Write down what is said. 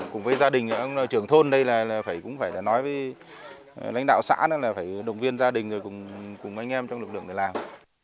cùng với gia đình trưởng thôn đây cũng phải nói với lãnh đạo xã là phải đồng viên gia đình cùng anh em trong lực lượng để làm